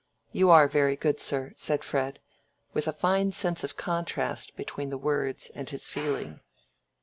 "You are very good, sir," said Fred, with a fine sense of contrast between the words and his feeling.